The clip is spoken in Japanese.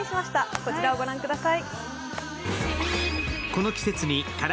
こちらを御覧ください。